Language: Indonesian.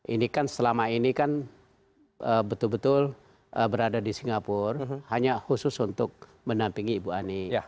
ini kan selama ini kan betul betul berada di singapura hanya khusus untuk mendampingi ibu ani